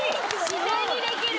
自然にできる。